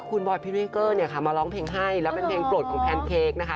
คุณบอยพิริเกอร์เนี่ยค่ะมาร้องเพลงให้แล้วเป็นเพลงโปรดของแพนเค้กนะคะ